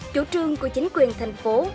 chủ trương của chính quyền thành phố